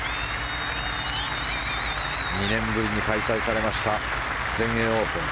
２年ぶりに開催されました全英オープン。